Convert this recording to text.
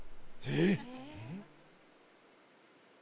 えっ？